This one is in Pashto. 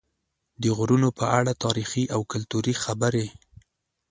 د غرونو په اړه تاریخي او کلتوري خبرې